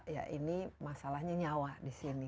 ya ini masalahnya nyawa disini